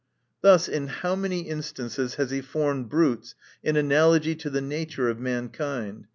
Thus, in how many instances has he formed brutes in analogy to the nature of mankind